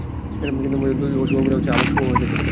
কিন্তু মজার ব্যাপার হলো দুই অশুভ মিলে আবার শুভও হয়ে যেতে পারে।